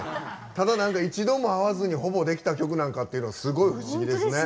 ただ一度も会わずにほぼできた曲なんかってすごい不思議ですね。